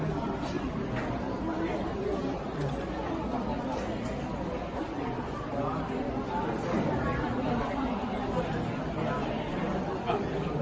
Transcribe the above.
ขอบคุณครับ